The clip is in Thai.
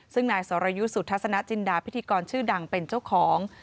ซึ่งนายสรยุทธ์สุทัศนจินดาพิธีกรชื่อดังเป็นเจ้าของ